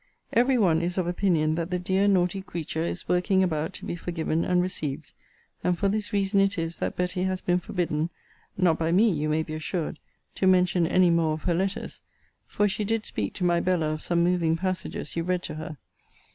Every one is of opinion that the dear naughty creature is working about to be forgiven and received: and for this reason it is that Betty has been forbidden, [not by me, you may be assured!] to mention any more of her letters; for she did speak to my Bella of some moving passages you read to her.